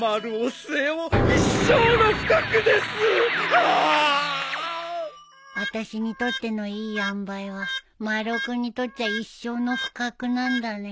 あたしにとってのいいあんばいは丸尾君にとっちゃ一生の不覚なんだね